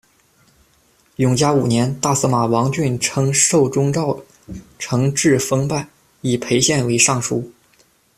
永嘉五年，大司马王浚称受中诏承制封拜，以裴宪为尚书。